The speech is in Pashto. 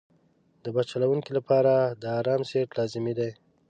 د بس چلوونکي لپاره د آرام سیټ لازمي دی.